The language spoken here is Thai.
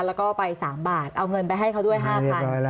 แล้วก็ไป๓บาทเอาเงินไปให้เขาด้วย๕๐๐บาท